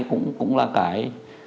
cũng là cái